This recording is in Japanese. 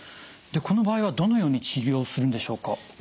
この場合はどのように治療するんでしょうか？